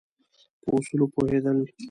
په اصولو پوهېدل.